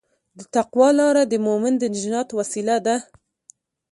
د تقوی لاره د مؤمن د نجات وسیله ده.